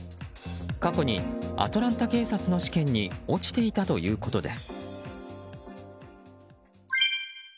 過去にアトランタ警察の試験に落ちていたということです。